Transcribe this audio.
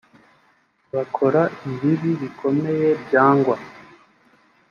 bakora ibibi bikomeye byangwa